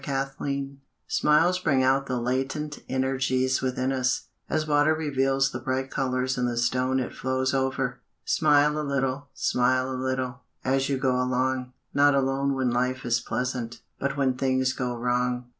_ SMILES Smiles bring out the latent energies within us, as water reveals the bright colors in the stone it flows over. Smile a little, smile a little, As you go along, Not alone when life is pleasant, But when things go wrong.